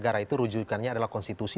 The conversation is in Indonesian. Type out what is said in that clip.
negara itu rujukannya adalah konstitusi